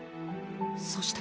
そして。